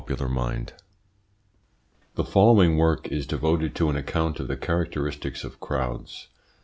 Dec 13, 1931} The following work is devoted to an account of the characteristics of crowds.